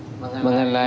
kekuatan yang diperlukan